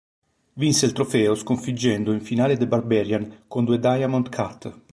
Vinse il torneo sconfiggendo in finale The Barbarian con due "Diamond Cutter".